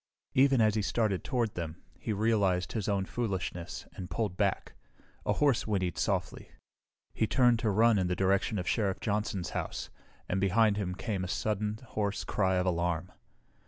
Even as he started toward them he realized his own foolishness and pulled back. A horse whinnied softly. He turned to run in the direction of Sheriff Johnson's house, and behind him came a sudden, hoarse cry of alarm.